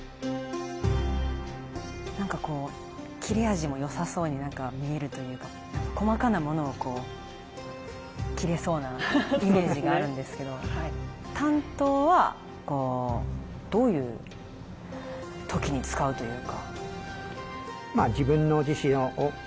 なんかこう切れ味も良さそうに見えるというか細かなものをこう切れそうなイメージがあるんですけど短刀はどういう時に使うというか。